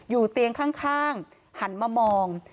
เตียงข้างหันมามอง